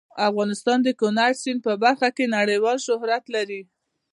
افغانستان د کندز سیند په برخه کې نړیوال شهرت لري.